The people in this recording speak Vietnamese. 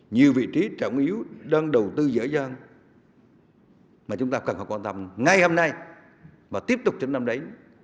nhiều vị trí trọng yếu đang đầu tư dở dàng mà chúng ta cần phải quan tâm ngay hôm nay và tiếp tục trên năm đấy